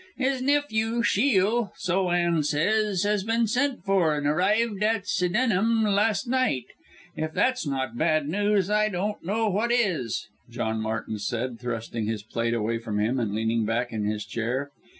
His nephew, Shiel, so Anne says, has been sent for, and arrived at Sydenham last night! If that's not bad news I don't know what is!" John Martin said, thrusting his plate away from him and leaning back in his chair.